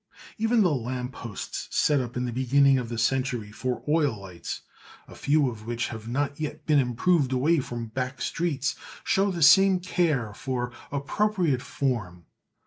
Even the lamp posts set up in the beginning of the century for oil lights, a few of which have not yet been improved away from back streets, show the same care for appropriate form.